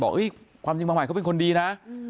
บอกเฮ้ยความจริงบางหลักฐานเขาเป็นคนดีนะ